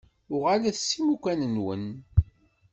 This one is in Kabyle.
Uɣalet s imukan-nwen.